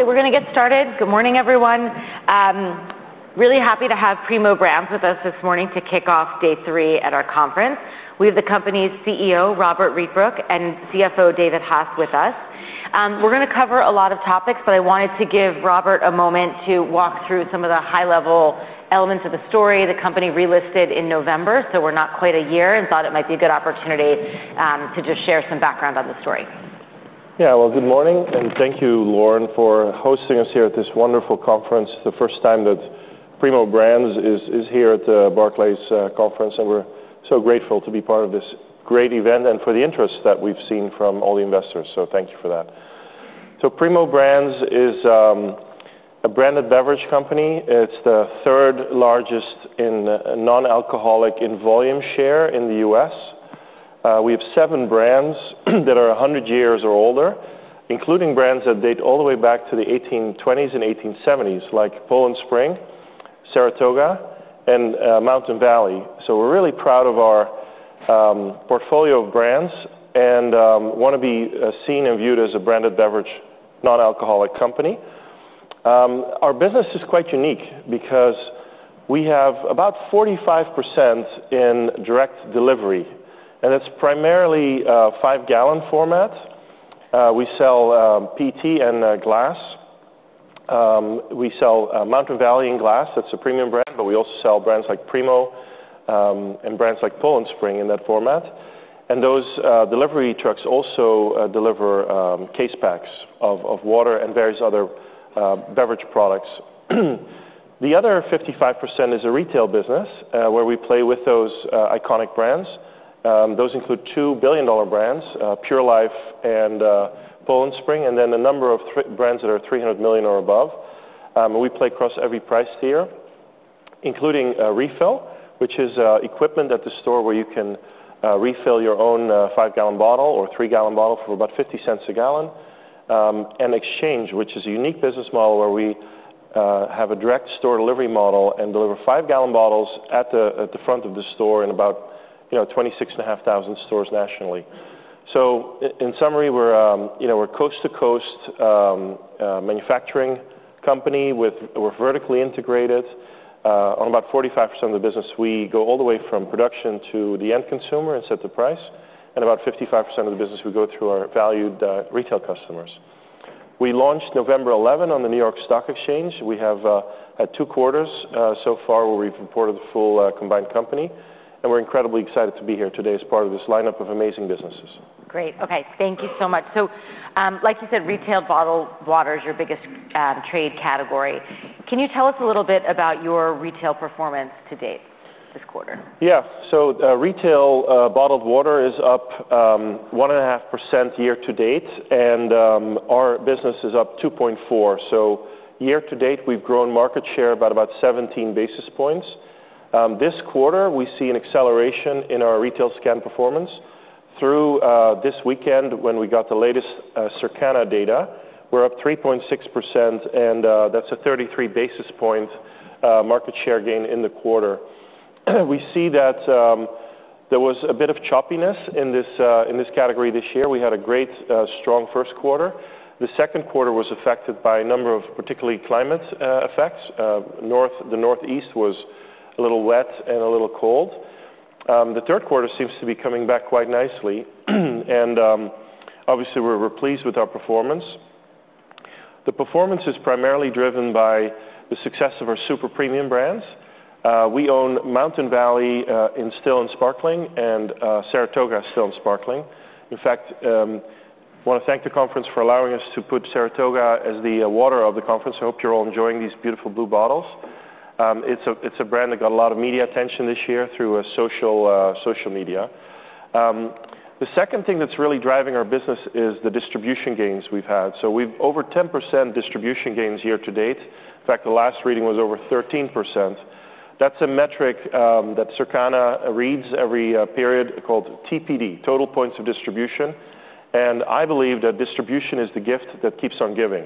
... So we're gonna get started. Good morning, everyone. Really happy to have Primo Brands with us this morning to kick off day three at our Conference. We have the company's CEO, Robbert Rietbroek, and CFO, David Hass, with us. We're gonna cover a lot of topics, but I wanted to give Robbert a moment to walk through some of the high-level elements of the story. The company relisted in November, so we're not quite a year, and thought it might be a good opportunity to just share some background on the story. Yeah. Well, good morning, and thank you, Lauren, for hosting us here at this wonderful Conference. The first time that Primo Brands is here at the Barclays Conference, and we're so grateful to be part of this great event and for the interest that we've seen from all the investors, so thank you for that. So Primo Brands is a branded beverage company. It's the third largest in non-alcoholic in volume share in the U.S. We have seven brands that are 100 years or older, including brands that date all the way back to the 1820s and 1870s, like Poland Spring, Saratoga, and Mountain Valley. So we're really proud of our portfolio of brands and wanna be seen and viewed as a branded beverage, non-alcoholic company. Our business is quite unique because we have about 45% in direct delivery, and it's primarily five-gallon format. We sell PET and glass. We sell Mountain Valley in glass; that's a premium brand, but we also sell brands like Primo and brands like Poland Spring in that format. And those delivery trucks also deliver case packs of water and various other beverage products. The other 55% is a retail business, where we play with those iconic brands. Those include $2 billion brands, Pure Life and Poland Spring, and then a number of brands that are 300 million or above. And we play across every price tier, including refill, which is equipment at the store where you can refill your own five-gallon bottle or three-gallon bottle for about $0.50 a gallon. And exchange, which is a unique business model where we have a direct store delivery model and deliver five-gallon bottles at the front of the store in about, you know, 26,500 stores nationally. So in summary, we're, you know, we're coast-to-coast manufacturing company. We're vertically integrated. On about 45% of the business, we go all the way from production to the end consumer and set the price, and about 55% of the business, we go through our valued retail customers. We launched November 11 on the New York Stock Exchange. We have had two quarters so far where we've reported the full combined company, and we're incredibly excited to be here today as part of this lineup of amazing businesses. Great. Okay, thank you so much. So, like you said, retail bottled water is your biggest trade category. Can you tell us a little bit about your retail performance to date this quarter? Yeah. So, retail bottled water is up 1.5% year to date, and our business is up 2.4. So year to date, we've grown market share by about 17 basis points. This quarter, we see an acceleration in our retail scan performance. Through this weekend, when we got the latest Circana data, we're up 3.6%, and that's a 33 basis point market share gain in the quarter. We see that there was a bit of choppiness in this category this year. We had a great strong first quarter. The second quarter was affected by a number of, particularly, climate effects. The Northeast was a little wet and a little cold. The third quarter seems to be coming back quite nicely, and obviously, we're pleased with our performance. The performance is primarily driven by the success of our super premium brands. We own Mountain Valley in still and sparkling, and Saratoga still and sparkling. In fact, wanna thank the conference for allowing us to put Saratoga as the water of the conference. I hope you're all enjoying these beautiful blue bottles. It's a brand that got a lot of media attention this year through social media. The second thing that's really driving our business is the distribution gains we've had. So we've over 10% distribution gains year to date. In fact, the last reading was over 13%. That's a metric that Circana reads every period called TPD, Total Points of Distribution, and I believe that distribution is the gift that keeps on giving.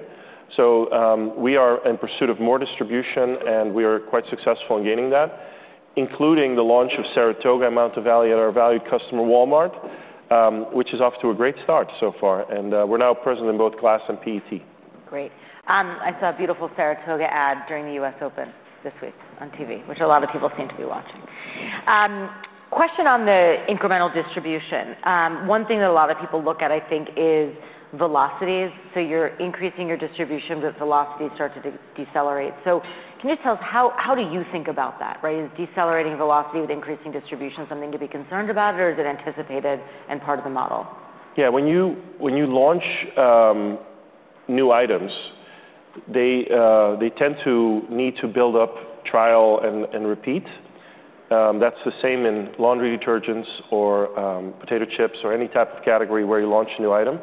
So, we are in pursuit of more distribution, and we are quite successful in gaining that, including the launch of Saratoga and Mountain Valley at our valued customer, Walmart, which is off to a great start so far, and we're now present in both glass and PET. Great. I saw a beautiful Saratoga ad during the US Open this week on TV, which a lot of people seem to be watching. Question on the incremental distribution. One thing that a lot of people look at, I think, is velocities. So you're increasing your distribution, but velocity starts to decelerate. So can you tell us, how do you think about that, right? Is decelerating velocity with increasing distribution something to be concerned about, or is it anticipated and part of the model? Yeah, when you launch new items, they tend to need to build up trial and repeat. That's the same in laundry detergents or potato chips or any type of category where you launch a new item,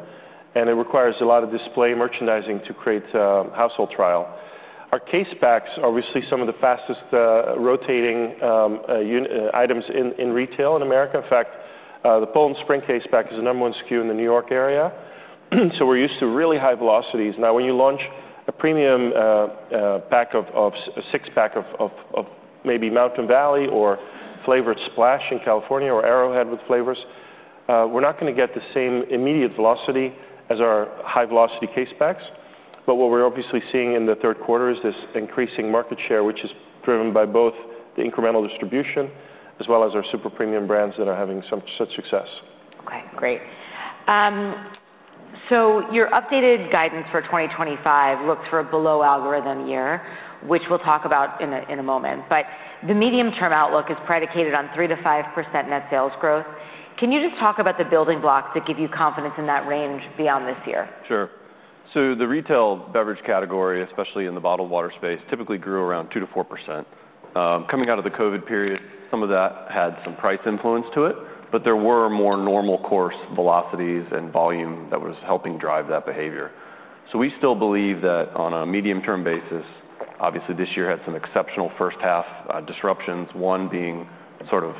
and it requires a lot of display merchandising to create household trial. Our case backs are obviously some of the fastest rotating items in retail in America. In fact, the Poland Spring case pack is the number one SKU in the New York area, so we're used to really high velocities. Now, when you launch a premium pack of a six-pack of maybe Mountain Valley or flavored Splash in California or Arrowhead with flavors... We're not gonna get the same immediate velocity as our high velocity case backs, but what we're obviously seeing in the third quarter is this increasing market share, which is driven by both the incremental distribution, as well as our super premium brands that are having some such success. Okay, great. So your updated guidance for 2025 looks for a below-average year, which we'll talk about in a moment, but the medium-term outlook is predicated on 3%-5% net sales growth. Can you just talk about the building blocks that give you confidence in that range beyond this year? Sure. So the retail beverage category, especially in the bottled water space, typically grew around 2-4%. Coming out of the COVID period, some of that had some price influence to it, but there were more normal course velocities and volume that was helping drive that behavior. So we still believe that on a medium-term basis, obviously, this year had some exceptional first half disruptions, one being sort of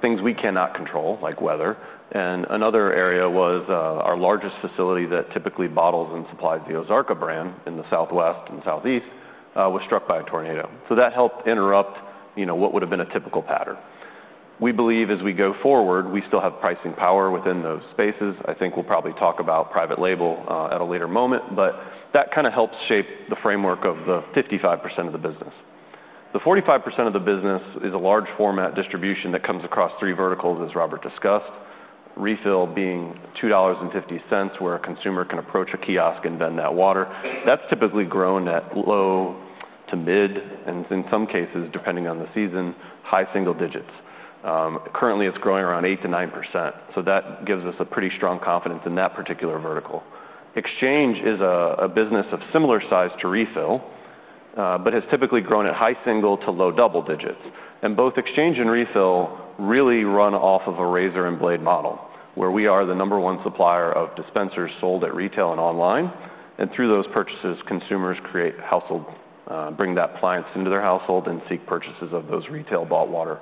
things we cannot control, like weather, and another area was our largest facility that typically bottles and supplies the Ozarka brand in the Southwest and Southeast was struck by a tornado. So that helped interrupt, you know, what would have been a typical pattern. We believe as we go forward, we still have pricing power within those spaces. I think we'll probably talk about private label at a later moment, but that kinda helps shape the framework of the 55% of the business. The 45% of the business is a large format distribution that comes across three verticals, as Robert discussed, refill being $2.50, where a consumer can approach a kiosk and vend that water. That's typically grown at low to mid, and in some cases, depending on the season, high single digits. Currently, it's growing around 8%-9%, so that gives us a pretty strong confidence in that particular vertical. Exchange is a business of similar size to refill, but has typically grown at high single to low double digits. Both exchange and refill really run off of a razor and blade model, where we are the number one supplier of dispensers sold at retail and online, and through those purchases, consumers create household, bring that appliance into their household and seek purchases of those retail bought water.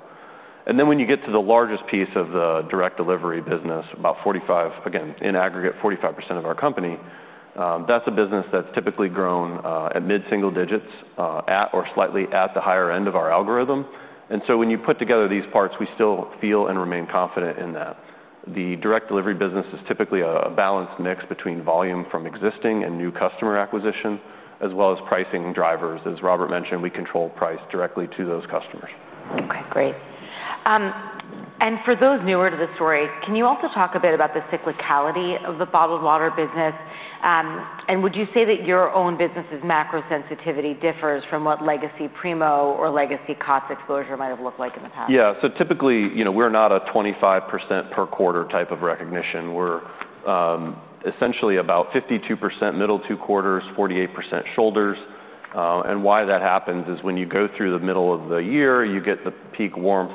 Then when you get to the largest piece of the direct delivery business, about 45, again, in aggregate, 45% of our company, that's a business that's typically grown at mid-single digits at or slightly at the higher end of our algorithm. When you put together these parts, we still feel and remain confident in that. The direct delivery business is typically a balanced mix between volume from existing and new customer acquisition, as well as pricing drivers. As Robbert mentioned, we control price directly to those customers. Okay, great. For those newer to the story, can you also talk a bit about the cyclicality of the bottled water business? Would you say that your own business's macro sensitivity differs from what Legacy Primo or Legacy BlueTriton cost exposure might have looked like in the past? Yeah. So typically, you know, we're not a 25% per quarter type of recognition. We're essentially about 52% middle two quarters, 48% shoulders, and why that happens is when you go through the middle of the year, you get the peak warmth,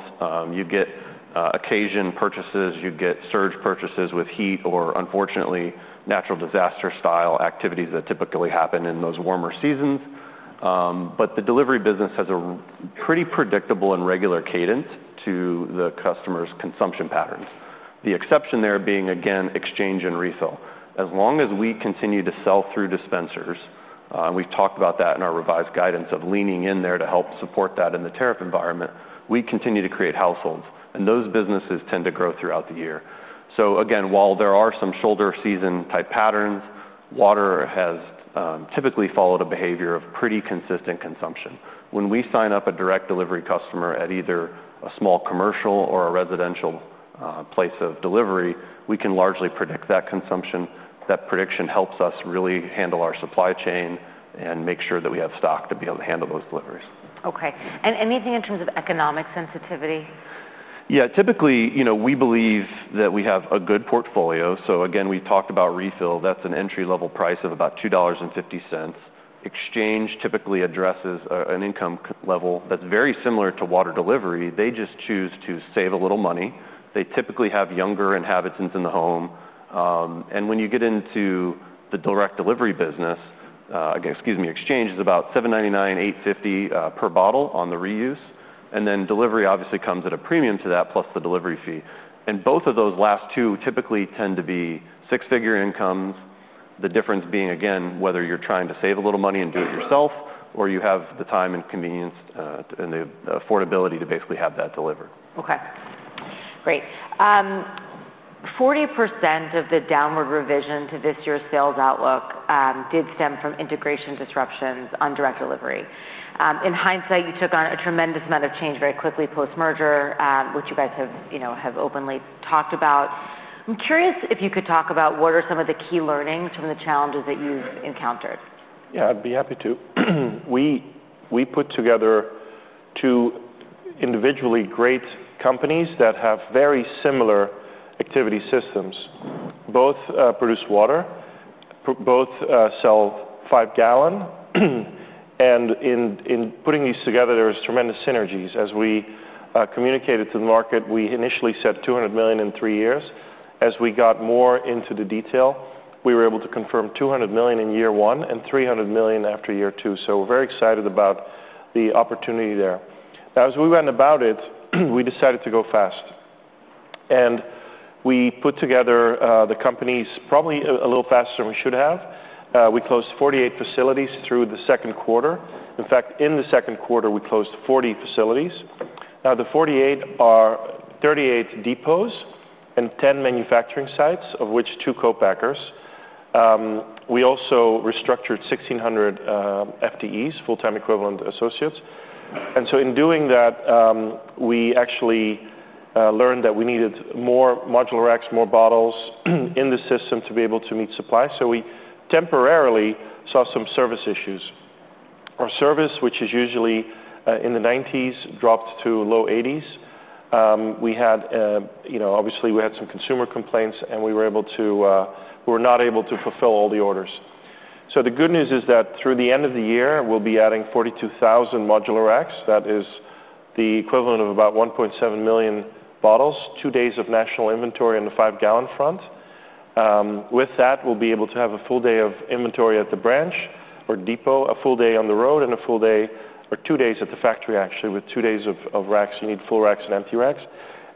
you get occasion purchases, you get surge purchases with heat or unfortunately, natural disaster-style activities that typically happen in those warmer seasons. But the delivery business has a pretty predictable and regular cadence to the customer's consumption patterns. The exception there being, again, exchange and refill. As long as we continue to sell through dispensers, and we've talked about that in our revised guidance of leaning in there to help support that in the tariff environment, we continue to create households, and those businesses tend to grow throughout the year. So again, while there are some shoulder season type patterns, water has typically followed a behavior of pretty consistent consumption. When we sign up a direct delivery customer at either a small commercial or a residential place of delivery, we can largely predict that consumption. That prediction helps us really handle our supply chain and make sure that we have stock to be able to handle those deliveries. Okay. And anything in terms of economic sensitivity? Yeah, typically, you know, we believe that we have a good portfolio. So again, we talked about refill. That's an entry-level price of about $2.50. Exchange typically addresses an income level that's very similar to water delivery. They just choose to save a little money. They typically have younger inhabitants in the home. And when you get into the direct delivery business, again, excuse me, exchange is about $7.99-$8.50 per bottle on the reuse, and then delivery obviously comes at a premium to that, plus the delivery fee. And both of those last two typically tend to be six-figure incomes, the difference being, again, whether you're trying to save a little money and do it yourself, or you have the time and convenience and the affordability to basically have that delivered. Okay, great. 40% of the downward revision to this year's sales outlook did stem from integration disruptions on direct delivery. In hindsight, you took on a tremendous amount of change very quickly post-merger, which you guys have, you know, have openly talked about. I'm curious if you could talk about what are some of the key learnings from the challenges that you've encountered? Yeah, I'd be happy to. We put together two individually great companies that have very similar activity systems. Both produce water, both sell five-gallon. And in putting these together, there's tremendous synergies. As we communicated to the market, we initially said $200 million in three years. As we got more into the detail, we were able to confirm $200 million in year one and $300 million after year two. So we're very excited about the opportunity there. Now, as we went about it, we decided to go fast, and we put together the companies probably a little faster than we should have. We closed 48 facilities through the second quarter. In fact, in the second quarter, we closed 40 facilities. Now, the 48 are 38 depots and 10 manufacturing sites, of which two co-packers. We also restructured 1,600 FTEs, full-time equivalent associates, and so in doing that, we actually learned that we needed more modular racks, more bottles in the system to be able to meet supply, so we temporarily saw some service issues. Our service, which is usually in the 90s, dropped to low 80s. We had, you know, obviously, we had some consumer complaints, and we were not able to fulfill all the orders, so the good news is that through the end of the year, we'll be adding 42,000 modular racks. That is the equivalent of about 1.7 million bottles, two days of national inventory on the five-gallon front. With that, we'll be able to have a full day of inventory at the branch or depot, a full day on the road, and a full day or two days at the factory, actually. With two days of racks, you need full racks and empty racks,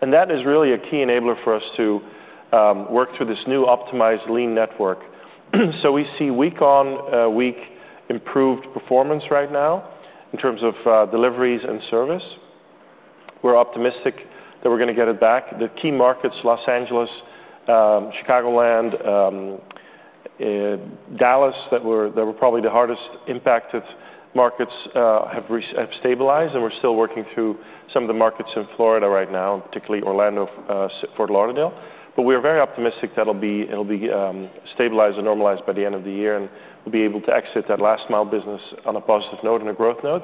and that is really a key enabler for us to work through this new optimized lean network. So we see week-on-week improved performance right now in terms of deliveries and service. We're optimistic that we're gonna get it back. The key markets, Los Angeles, Chicagoland, Dallas, that were probably the hardest impacted markets, have stabilized, and we're still working through some of the markets in Florida right now, particularly Orlando, Fort Lauderdale. But we are very optimistic that'll be stabilized and normalized by the end of the year, and we'll be able to exit that last mile business on a positive note and a growth note.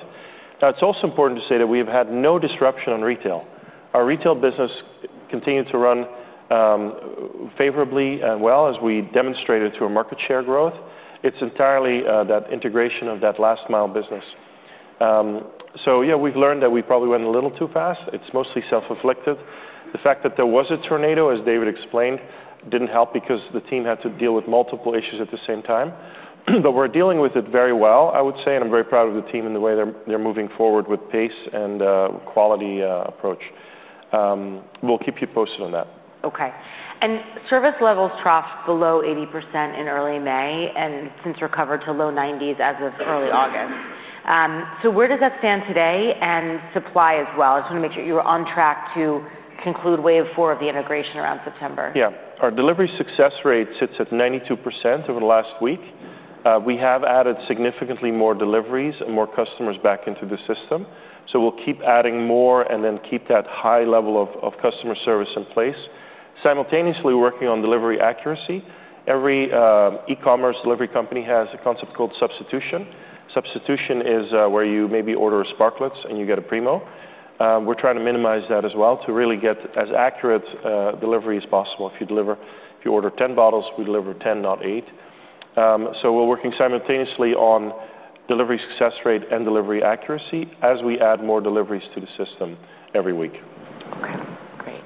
Now, it's also important to say that we have had no disruption on retail. Our retail business continued to run favorably and well, as we demonstrated through our market share growth. It's entirely that integration of that last mile business. So yeah, we've learned that we probably went a little too fast. It's mostly self-inflicted. The fact that there was a tornado, as David explained, didn't help because the team had to deal with multiple issues at the same time. But we're dealing with it very well, I would say, and I'm very proud of the team and the way they're moving forward with pace and quality approach. We'll keep you posted on that. Okay, and service levels dropped below 80% in early May, and since recovered to low 90s% as of early August, so where does that stand today, and supply as well? I just wanna make sure you're on track to conclude wave four of the integration around September. Yeah. Our delivery success rate sits at 92% over the last week. We have added significantly more deliveries and more customers back into the system, so we'll keep adding more and then keep that high level of customer service in place. Simultaneously, we're working on delivery accuracy. Every e-commerce delivery company has a concept called substitution. Substitution is where you maybe order a Sparkletts, and you get a Primo. We're trying to minimize that as well to really get as accurate delivery as possible. If you order 10 bottles, we deliver 10, not eight. So we're working simultaneously on delivery success rate and delivery accuracy as we add more deliveries to the system every week. Okay, great.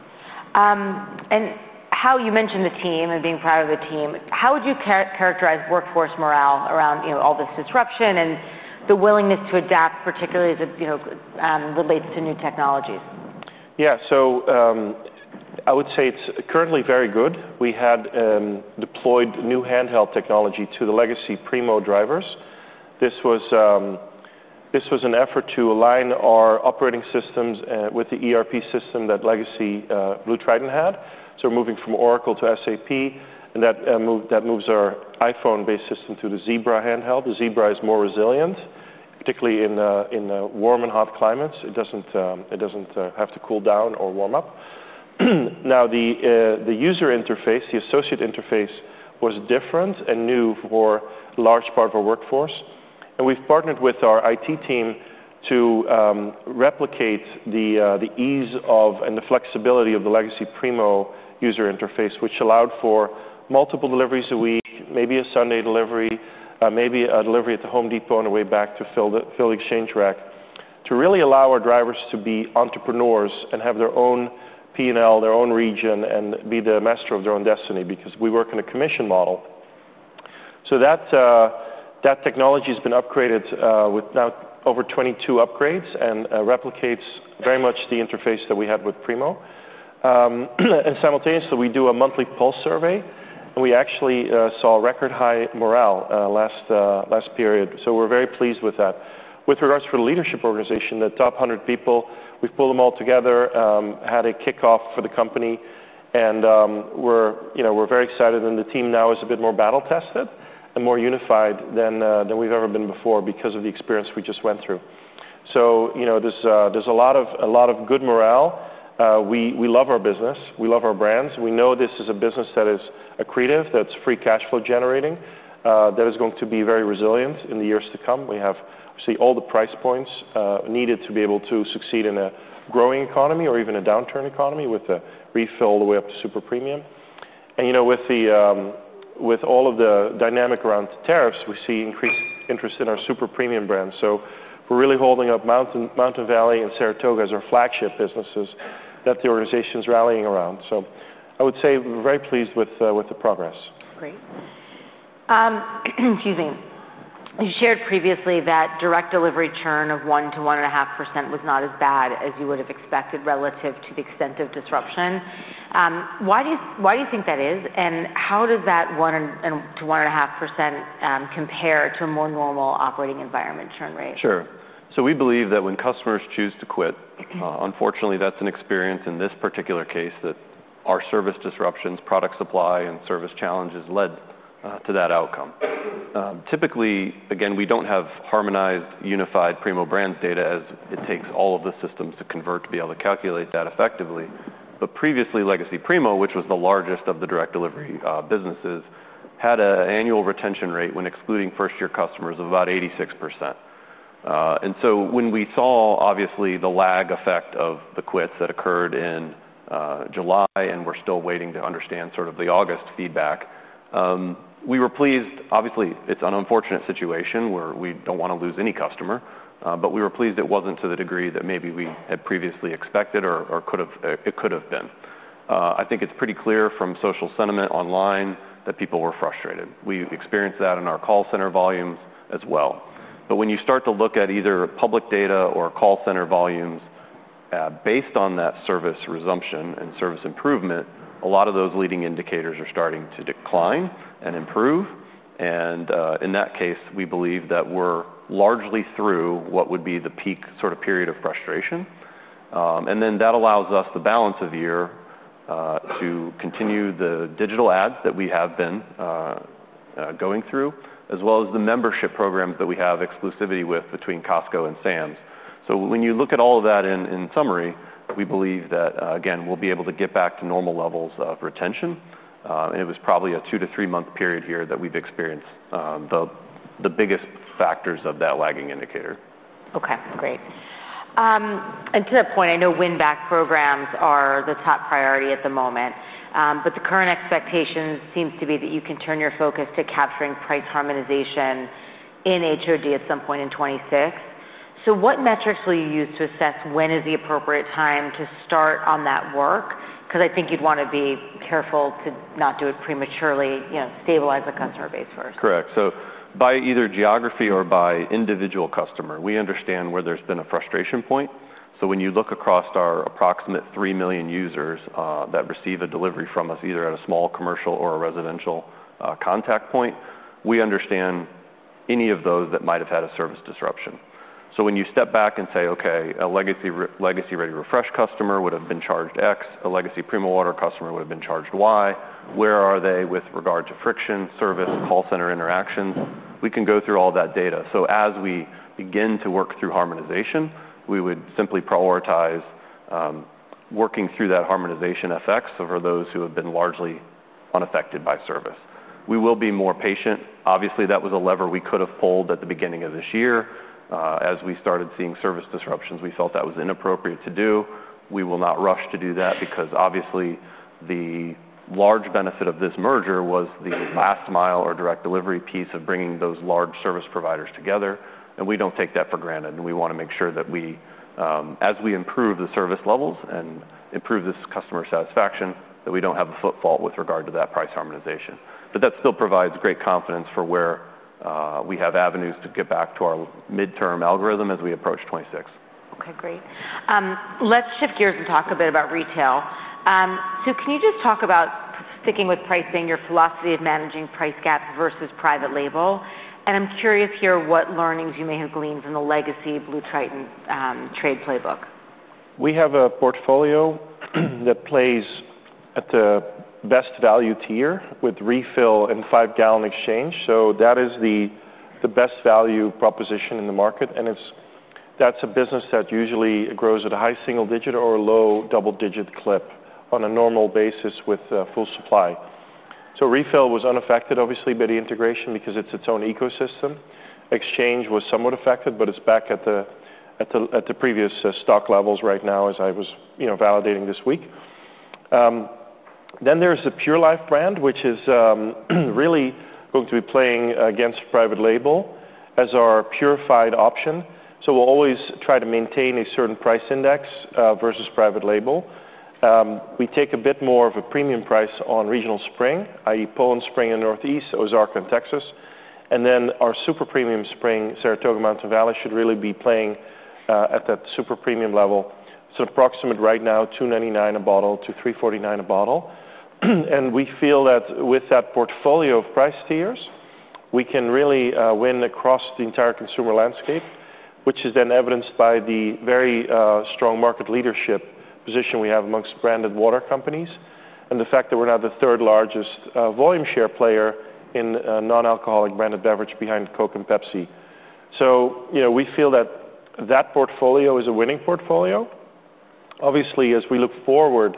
And how, you mentioned the team and being proud of the team, would you characterize workforce morale around, you know, all this disruption and the willingness to adapt, particularly as it, you know, relates to new technologies? Yeah, so, I would say it's currently very good. We had deployed new handheld technology to the Legacy Primo drivers. This was an effort to align our operating systems with the ERP system that Legacy BlueTriton had. So we're moving from Oracle to SAP, and that moves our iPhone-based system to the Zebra handheld. The Zebra is more resilient, particularly in warm and hot climates. It doesn't have to cool down or warm up. Now, the user interface, the associate interface, was different and new for large part of our workforce, and we've partnered with our IT team to replicate the ease of and the flexibility of the legacy Primo user interface, which allowed for multiple deliveries a week, maybe a Sunday delivery, maybe a delivery at the Home Depot on the way back to fill the exchange rack, to really allow our drivers to be entrepreneurs and have their own P&L, their own region, and be the master of their own destiny, because we work in a commission model. So that technology's been upgraded with now over 22 upgrades and replicates very much the interface that we had with Primo. And simultaneously, we do a monthly pulse survey, and we actually saw record high morale last period, so we're very pleased with that. With regards to the leadership organization, the top 100 people, we've pulled them all together, had a kickoff for the company, and we're, you know, we're very excited, and the team now is a bit more battle-tested and more unified than we've ever been before because of the experience we just went through. So, you know, there's a lot of good morale. We love our business. We love our brands. We know this is a business that is accretive, that's free cash flow generating, that is going to be very resilient in the years to come. We have, obviously, all the price points needed to be able to succeed in a growing economy or even a downturn economy with the refill all the way up to super premium. And, you know, with all of the dynamic around tariffs, we see increased interest in our super premium brands. So we're really holding up Mountain Valley and Saratoga as our flagship businesses that the organization's rallying around. So I would say we're very pleased with the progress. Great. Excuse me. You shared previously that direct delivery churn of 1%-1.5% was not as bad as you would have expected, relative to the extent of disruption. Why do you think that is, and how does that 1%1.5% compare to a more normal operating environment churn rate? Sure. So we believe that when customers choose to quit- Mm-hmm.... unfortunately, that's an experience in this particular case that-... our service disruptions, product supply, and service challenges led to that outcome. Typically, again, we don't have harmonized, unified Primo Brands data, as it takes all of the systems to convert to be able to calculate that effectively. But previously, Legacy Primo, which was the largest of the direct delivery businesses, had an annual retention rate, when excluding first-year customers, of about 86%. And so when we saw, obviously, the lag effect of the quits that occurred in July, and we're still waiting to understand sort of the August feedback, we were pleased. Obviously, it's an unfortunate situation where we don't want to lose any customer, but we were pleased it wasn't to the degree that maybe we had previously expected or it could have been. I think it's pretty clear from social sentiment online that people were frustrated. We've experienced that in our call center volumes as well. But when you start to look at either public data or call center volumes, based on that service resumption and service improvement, a lot of those leading indicators are starting to decline and improve, and, in that case, we believe that we're largely through what would be the peak sort of period of frustration. And then, that allows us the balance of the year, to continue the digital ads that we have been, going through, as well as the membership programs that we have exclusivity with between Costco and Sam's. When you look at all of that in summary, we believe that, again, we'll be able to get back to normal levels of retention, and it was probably a two-to-three-month period here that we've experienced, the biggest factors of that lagging indicator. Okay, great. And to that point, I know win-back programs are the top priority at the moment, but the current expectation seems to be that you can turn your focus to capturing price harmonization in HOD at some point in 2026. So what metrics will you use to assess when is the appropriate time to start on that work? Because I think you'd want to be careful to not do it prematurely, you know, stabilize the customer base first. Correct. So by either geography or by individual customer, we understand where there's been a frustration point. So when you look across our approximate 3 million users that receive a delivery from us, either at a small, commercial, or a residential contact point, we understand any of those that might have had a service disruption. So when you step back and say, "Okay, a Legacy ReadyRefresh customer would've been charged X, a Legacy Primo Water customer would've been charged Y. Where are they with regard to friction, service, call center interactions?" We can go through all that data. So as we begin to work through harmonization, we would simply prioritize working through that harmonization effects over those who have been largely unaffected by service. We will be more patient. Obviously, that was a lever we could have pulled at the beginning of this year. As we started seeing service disruptions, we felt that was inappropriate to do. We will not rush to do that because, obviously, the large benefit of this merger was the last mile or direct delivery piece of bringing those large service providers together, and we don't take that for granted, and we wanna make sure that we, as we improve the service levels and improve this customer satisfaction, that we don't have a foot fault with regard to that price harmonization. But that still provides great confidence for where we have avenues to get back to our midterm algorithm as we approach 2026. Okay, great. Let's shift gears and talk a bit about retail. So can you just talk about, sticking with pricing, your philosophy of managing price gap versus private label? And I'm curious here what learnings you may have gleaned in the Legacy BlueTriton, trade playbook. We have a portfolio that plays at the best value tier with refill and five-gallon exchange, so that is the best value proposition in the market, and it's. That's a business that usually grows at a high single digit or a low double-digit clip on a normal basis with full supply, so refill was unaffected, obviously, by the integration because it's its own ecosystem. Exchange was somewhat affected, but it's back at the previous stock levels right now, as I was, you know, validating this week, then there's the Pure Life brand, which is really going to be playing against private label as our purified option, so we'll always try to maintain a certain price index versus private label. We take a bit more of a premium price on regional spring, i.e., Poland Spring in Northeast, Ozarka in Texas. And then, our super premium spring, Saratoga, Mountain Valley, should really be playing at that super premium level. So approximate right now, $2.99 a bottle-$3.49 a bottle. And we feel that with that portfolio of price tiers, we can really win across the entire consumer landscape, which is then evidenced by the very strong market leadership position we have amongst branded water companies, and the fact that we're now the third-largest volume share player in non-alcoholic branded beverage behind Coke and Pepsi. So, you know, we feel that that portfolio is a winning portfolio. Obviously, as we look forward,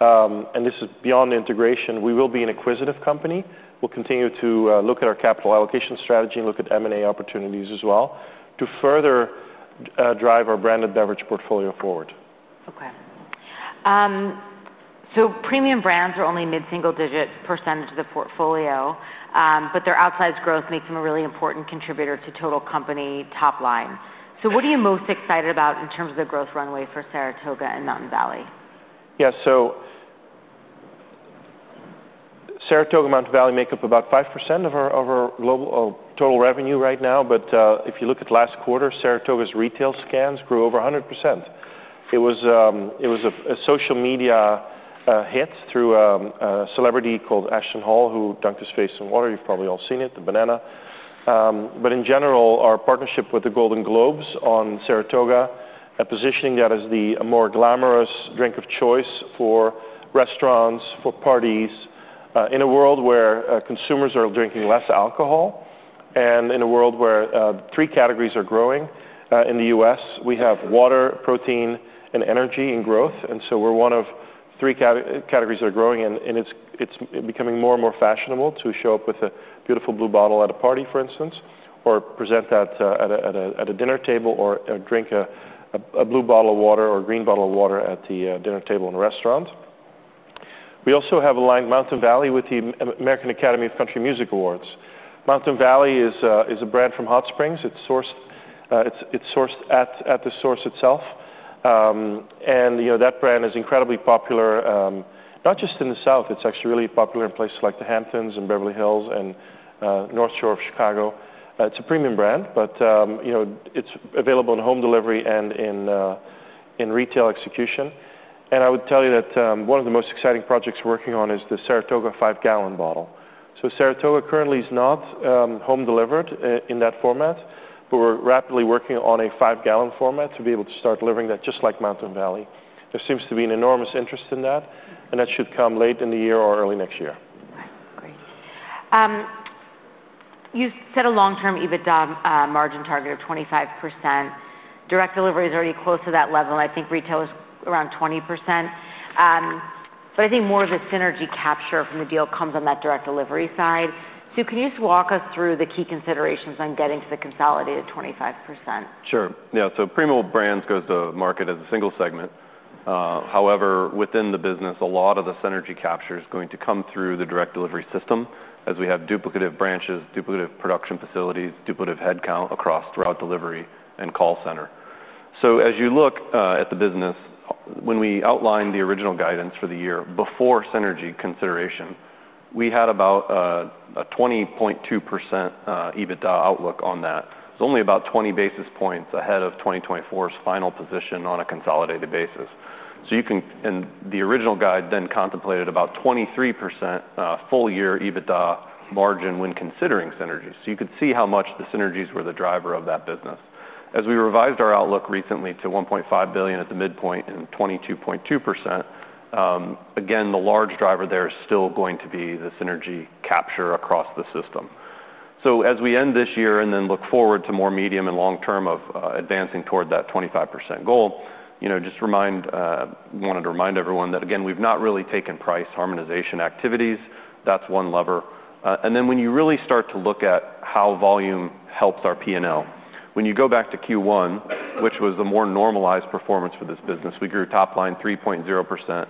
and this is beyond integration, we will be an acquisitive company. We'll continue to look at our capital allocation strategy and look at M&A opportunities as well to further drive our branded beverage portfolio forward. Okay. So premium brands are only a mid-single-digit % of the portfolio, but their outsized growth makes them a really important contributor to total company top line. So what are you most excited about in terms of the growth runway for Saratoga and Mountain Valley? Yeah, so Saratoga and Mountain Valley make up about 5% of our global total revenue right now. But if you look at last quarter, Saratoga's retail scans grew over 100%. It was a social media hit through a celebrity called Ashton Hall, who dunked his face in water. You've probably all seen it, the banana. ... But in general, our partnership with the Golden Globes on Saratoga, positioning that as the more glamorous drink of choice for restaurants, for parties, in a world where consumers are drinking less alcohol, and in a world where three categories are growing. In the U.S., we have water, protein, and energy and growth, and so we're one of three categories that are growing, and it's becoming more and more fashionable to show up with a beautiful blue bottle at a party, for instance, or present that at a dinner table, or drink a blue bottle of water or a green bottle of water at the dinner table in a restaurant. We also have aligned Mountain Valley with the American Academy of Country Music Awards. Mountain Valley is a brand from Hot Springs. It's sourced at the source itself. And you know, that brand is incredibly popular, not just in the South, it's actually really popular in places like the Hamptons, and Beverly Hills, and North Shore of Chicago. It's a premium brand, but you know, it's available in home delivery and in retail execution. And I would tell you that one of the most exciting projects we're working on is the Saratoga five-gallon bottle. So Saratoga currently is not home-delivered in that format, but we're rapidly working on a five-gallon format to be able to start delivering that, just like Mountain Valley. There seems to be an enormous interest in that, and that should come late in the year or early next year. All right, great. You set a long-term EBITDA margin target of 25%. Direct delivery is already close to that level. I think retail is around 20%, but I think more of the synergy capture from the deal comes on that direct delivery side, so can you just walk us through the key considerations on getting to the consolidated 25%? Sure. Yeah, so Primo Brands goes to market as a single segment. However, within the business, a lot of the synergy capture is going to come through the direct delivery system, as we have duplicative branches, duplicative production facilities, duplicative headcount across throughout delivery and call center. So as you look at the business, when we outlined the original guidance for the year before synergy consideration, we had about a 20.2% EBITDA outlook on that. It's only about 20 basis points ahead of 2024's final position on a consolidated basis. So you can. And the original guide then contemplated about 23% full year EBITDA margin when considering synergies. So you could see how much the synergies were the driver of that business. As we revised our outlook recently to $1.5 billion at the midpoint and 22.2%, again, the large driver there is still going to be the synergy capture across the system. So as we end this year and then look forward to more medium and long-term of advancing toward that 25% goal, you know, just remind, wanted to remind everyone that, again, we've not really taken price harmonization activities. That's one lever. And then when you really start to look at how volume helps our P&L, when you go back to Q1, which was the more normalized performance for this business, we grew top line 3.0%,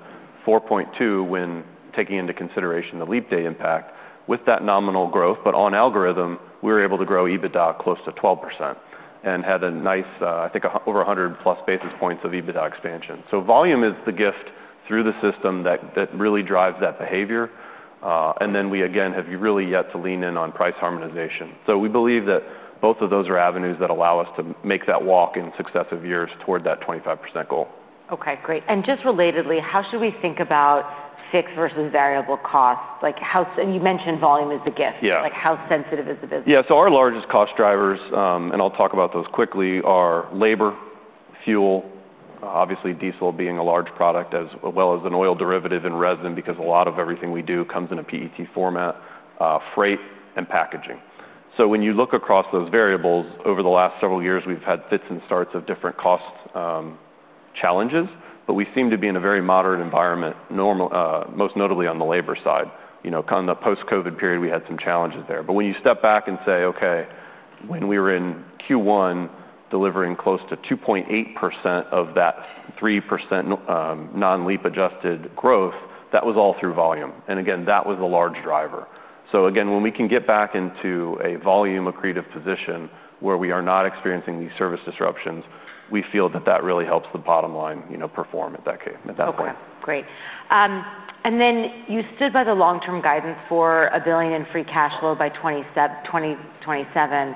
4.2% when taking into consideration the leap day impact with that nominal growth. But on algorithm, we were able to grow EBITDA close to 12% and had a nice, I think, over 100+ basis points of EBITDA expansion. So volume is the gift through the system that really drives that behavior. And then we, again, have really yet to lean in on price harmonization. So we believe that both of those are avenues that allow us to make that walk in successive years toward that 25% goal. Okay, great. And just relatedly, how should we think about fixed versus variable costs? Like, how... And you mentioned volume is the gift. Yeah. Like, how sensitive is the business? Yeah, so our largest cost drivers, and I'll talk about those quickly, are labor, fuel, obviously diesel being a large product, as well as an oil derivative in resin, because a lot of everything we do comes in a PET format, freight and packaging. So when you look across those variables, over the last several years, we've had fits and starts of different cost challenges, but we seem to be in a very moderate environment, normally most notably on the labor side. You know, kind of in the post-COVID period, we had some challenges there. But when you step back and say, "Okay, when we were in Q1, delivering close to 2.8% of that 3%, non-leap adjusted growth," that was all through volume, and again, that was a large driver. Again, when we can get back into a volume accretive position where we are not experiencing these service disruptions, we feel that that really helps the bottom line, you know, perform at that point. Okay, great. And then you stood by the long-term guidance for $1 billion in free cash flow by 2027.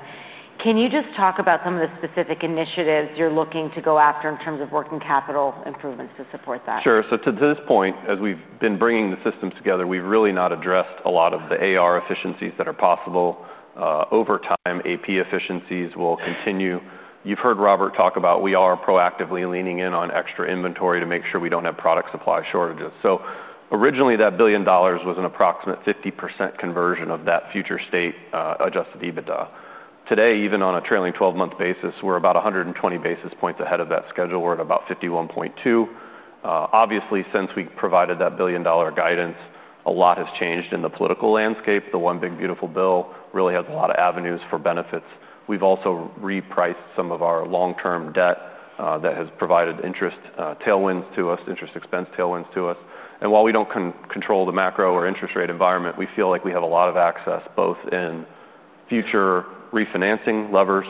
Can you just talk about some of the specific initiatives you're looking to go after in terms of working capital improvements to support that? Sure. So to this point, as we've been bringing the systems together, we've really not addressed a lot of the AR efficiencies that are possible. Over time, AP efficiencies will continue. You've heard Robert talk about we are proactively leaning in on extra inventory to make sure we don't have product supply shortages. So originally, that $1 billion was an approximate 50% conversion of that future state, adjusted EBITDA. Today, even on a trailing 12-month basis, we're about 120 basis points ahead of that schedule. We're at about 51.2. Obviously, since we provided that $1 billion guidance, a lot has changed in the political landscape. The One Big Beautiful Bill really has a lot of avenues for benefits. We've also repriced some of our long-term debt, that has provided interest tailwinds to us, interest expense tailwinds to us. While we don't control the macro or interest rate environment, we feel like we have a lot of access, both in future refinancing levers,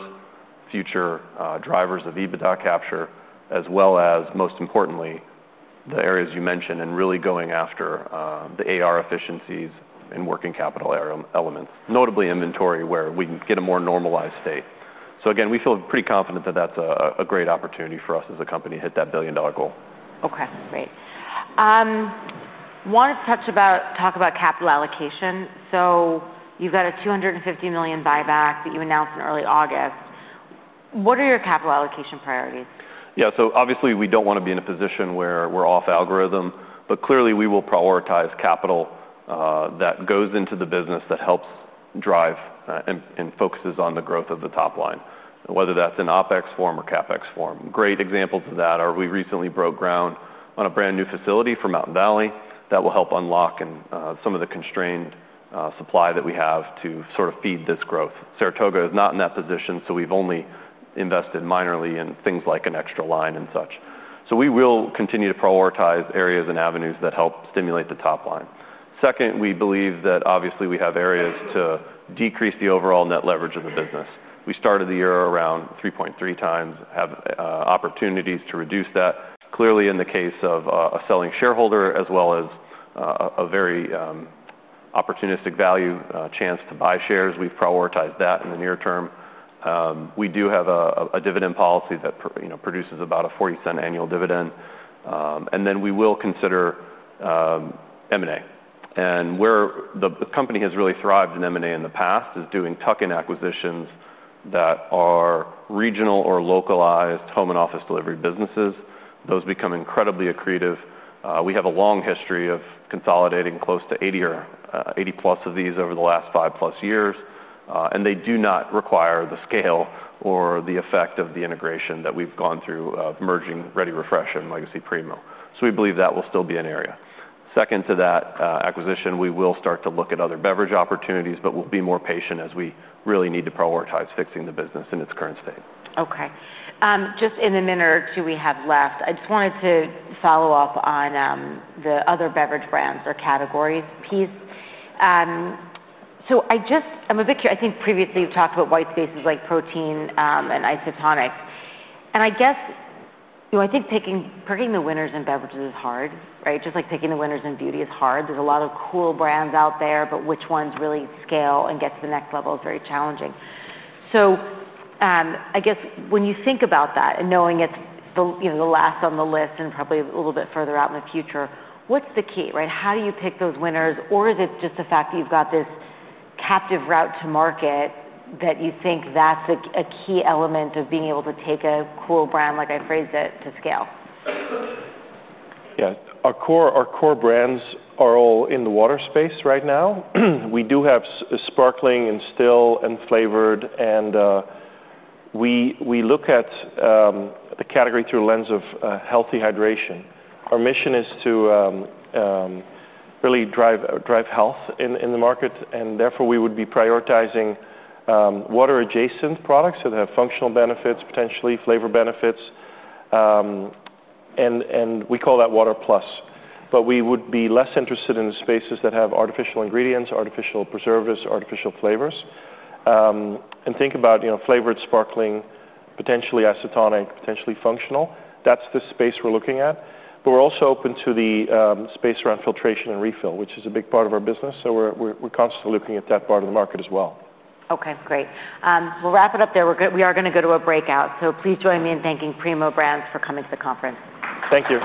future drivers of EBITDA capture, as well as, most importantly, the areas you mentioned, and really going after the AR efficiencies and working capital elements, notably inventory, where we can get a more normalized state. Again, we feel pretty confident that that's a great opportunity for us as a company to hit that $1 billion goal. Okay, great. Wanted to talk about capital allocation. So you've got a $250 million buyback that you announced in early August. What are your capital allocation priorities? Yeah, so obviously, we don't wanna be in a position where we're off algorithm, but clearly, we will prioritize capital that goes into the business that helps drive and focuses on the growth of the top line, whether that's in OpEx form or CapEx form. Great examples of that are we recently broke ground on a brand-new facility for Mountain Valley that will help unlock and some of the constrained supply that we have to sort of feed this growth. Saratoga is not in that position, so we've only invested minorly in things like an extra line and such. So we will continue to prioritize areas and avenues that help stimulate the top line. Second, we believe that obviously we have areas to decrease the overall net leverage of the business. We started the year around 3.3x have opportunities to reduce that. Clearly, in the case of a selling shareholder, as well as a very opportunistic value chance to buy shares, we've prioritized that in the near term. We do have a dividend policy that you know produces about a $0.40 annual dividend. And then we will consider M&A. Where the company has really thrived in M&A in the past is doing tuck-in acquisitions that are regional or localized home and office delivery businesses. Those become incredibly accretive. We have a long history of consolidating close to 80+ of these over the last five+ years, and they do not require the scale or the effect of the integration that we've gone through of merging ReadyRefresh and Legacy Primo. So we believe that will still be an area. Second to that, acquisition, we will start to look at other beverage opportunities, but we'll be more patient as we really need to prioritize fixing the business in its current state. Okay. Just in the minute or two we have left, I just wanted to follow up on the other beverage brands or categories piece. So I just... I'm a bit I think previously you've talked about white spaces like protein and isotonic. And I guess, you know, I think picking the winners in beverages is hard, right? Just like picking the winners in beauty is hard. There's a lot of cool brands out there, but which ones really scale and get to the next level is very challenging. So, I guess when you think about that and knowing it's the, you know, the last on the list and probably a little bit further out in the future, what's the key, right? How do you pick those winners, or is it just the fact that you've got this captive route to market, that you think that's a key element of being able to take a cool brand, like I phrased it, to scale? Yeah. Our core brands are all in the water space right now. We do have sparkling and still and flavored, and we look at the category through a lens of healthy hydration. Our mission is to really drive health in the market, and therefore, we would be prioritizing water-adjacent products, so they have functional benefits, potentially flavor benefits, and we call that Water Plus. But we would be less interested in the spaces that have artificial ingredients, artificial preservatives, artificial flavors. And think about, you know, flavored sparkling, potentially isotonic, potentially functional. That's the space we're looking at. But we're also open to the space around filtration and refill, which is a big part of our business, so we're constantly looking at that part of the market as well. Okay, great. We'll wrap it up there. We're gonna go to a breakout, so please join me in thanking Primo Brands for coming to the Conference. Thank you.